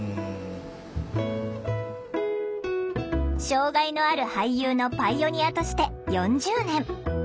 障害のある俳優のパイオニアとして４０年。